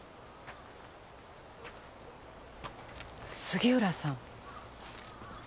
杉浦さん。